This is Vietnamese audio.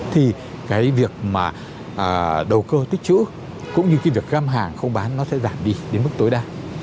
thì cái việc mà đầu cơ tích chữ cũng như cái việc găm hàng không bán nó sẽ giảm đi đến mức tối đa